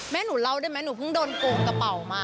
แม่หนูเล่าได้ไหมหนูเพิ่งโดนโกงกระเป๋ามา